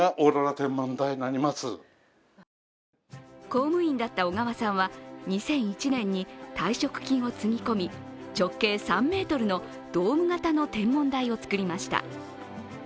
公務員だった小川さんは２００１年に退職金をつぎ込み、直径３ｍのドーム型の天文台を作りました。